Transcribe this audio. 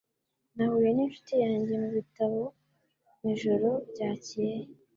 Nahuye ninshuti yanjye mubitabo mwijoro ryakeye